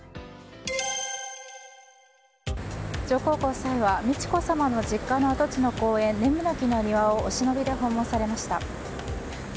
上皇后さまは美智子さまの実家の跡地の公園をお忍びで訪問されました。